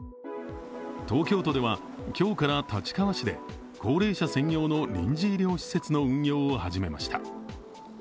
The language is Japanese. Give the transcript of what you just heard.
東京都では今日から立川市で高齢者専用の臨時医療施設の運用を始めました。